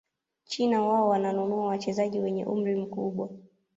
china wao wananunua wachezaji wenye umri mkubwa